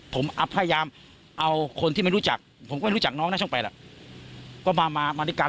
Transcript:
ผมพยายามเอาคนที่ไม่รู้จักผมก็ไม่รู้จักน้องนะช่องแปดหรอกก็มามาด้วยกัน